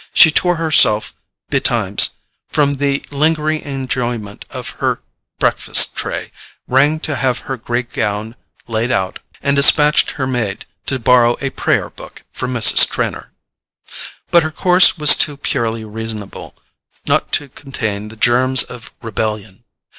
She tore herself betimes from the lingering enjoyment of her breakfast tray, rang to have her grey gown laid out, and despatched her maid to borrow a prayer book from Mrs. Trenor. But her course was too purely reasonable not to contain the germs of rebellion.